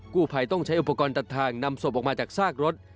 กู้ภัยต้องใช้อุปกรณ์ตัดทางนำศพออกมาจากซากรถ